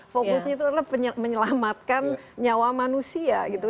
fokusnya itu adalah menyelamatkan nyawa manusia gitu